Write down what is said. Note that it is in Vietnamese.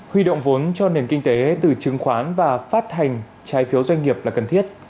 huy động vốn cho nền kinh tế từ chứng khoán và phát hành trái phiếu doanh nghiệp là cần thiết